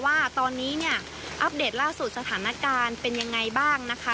ว่าตอนนี้เนี่ยอัปเดตล่าสุดสถานการณ์เป็นยังไงบ้างนะคะ